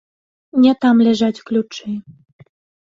Не там ляжаць ключы.